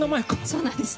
そうなんです。